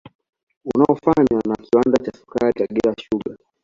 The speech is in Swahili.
Unaofanywa na kiwanda cha sukari cha Kagera sukari